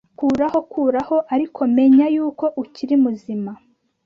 Kuraho Kuraho Ariko menya kuko ukiri muzima